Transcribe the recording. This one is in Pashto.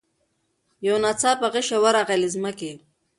یو ناڅاپه غشی ورغی له مځکي